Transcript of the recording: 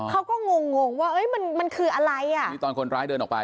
งงงว่าเอ้ยมันมันคืออะไรอ่ะนี่ตอนคนร้ายเดินออกไป